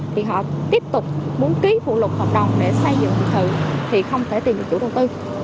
thì họ tiếp tục muốn ký phụ lục hợp đồng để xây dựng thì không thể tìm được chủ đầu tư